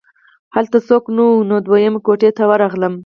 هلته څوک نه وو نو دویمې کوټې ته ورغلم